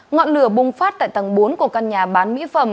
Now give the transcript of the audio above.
ngọn lửa bùng phát tại tầng bốn của căn nhà bán mỹ phẩm